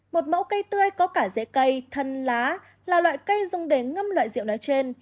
một mẫu cây tươi có cả dễ cây thân lá là loại cây dùng để ngâm loại rượu nói trên